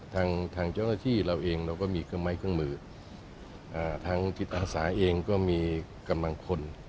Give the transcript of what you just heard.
ทางทางเจ้าหน้าที่เราเองเราก็มีเครื่องไม้เครื่องมือทางจิตอาสาเองก็มีกำลังคน